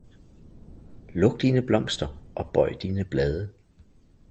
Luk dine blomster og bøj dine blade!